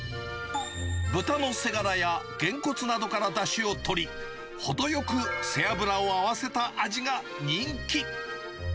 豚の背がらやげんこつなどからだしをとり、程よく背脂を合わせた味が人気。